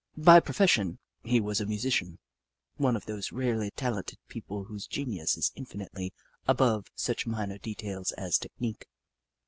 By profession, he was a musician — one of those rarely talented people whose genius is infinitely above such minor details as tech nique.